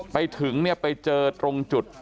ไปถึงเนี่ยไปเจอตรงจุด